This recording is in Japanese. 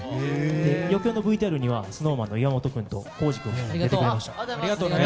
余興のＶＴＲにはＳｎｏｗＭａｎの岩本君と康二君も出てくれました。